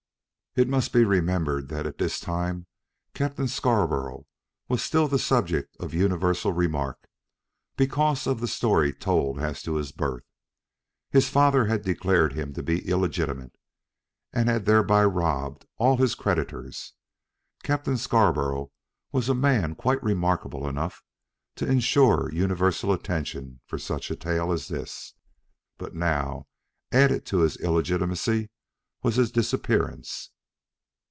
It must be remembered that at this time Captain Scarborough was still the subject of universal remark, because of the story told as to his birth. His father had declared him to be illegitimate, and had thereby robbed all his creditors. Captain Scarborough was a man quite remarkable enough to insure universal attention for such a tale as this; but now, added to his illegitimacy was his disappearance.